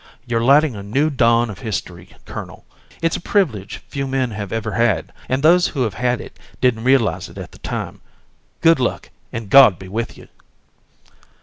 You're lighting a new dawn of history, colonel. It's a privilege few men have ever had; and those who have had it didn't realize it at the time. Good luck, and God be with you."